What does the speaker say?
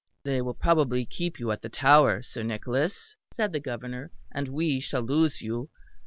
"They will probably keep you at the Tower, Sir Nicholas," said the Governor, "and we shall lose you.